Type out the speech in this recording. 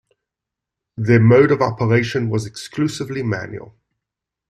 Their mode of operation was exclusively manual.